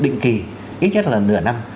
định kỳ ít nhất là nửa năm